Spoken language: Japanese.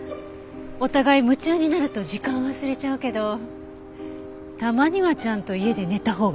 お互い夢中になると時間を忘れちゃうけどたまにはちゃんと家で寝たほうがいいわよ。